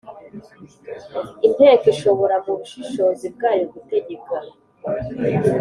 Inteko ishobora mu bushishozi bwayo gutegeka